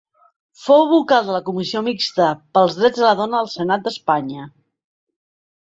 Fou vocal de la Comissió Mixta pels Drets de la Dona al Senat d'Espanya.